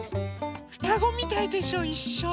ふたごみたいでしょいっしょ。